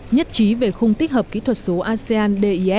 nhất trí về khung tích hợp kỹ thuật sản